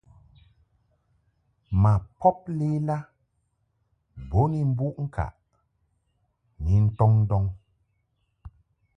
Ma pob lela bo ni mbuʼ ŋkaʼ ni ntɔŋ ndɔŋ.